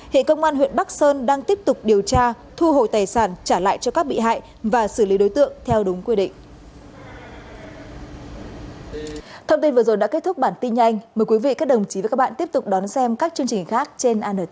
hiện công an huyện bắc sơn đang tiếp tục điều tra thu hồi tài sản trả lại cho các bị hại và xử lý đối tượng theo đúng quy định